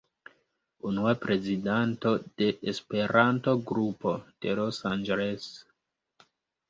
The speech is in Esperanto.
Unua prezidanto de Esperanto-Grupo de Los Angeles.